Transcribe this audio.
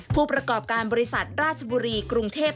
ผู้ประกอบการบริษัทราชบุรีกรุงเทพ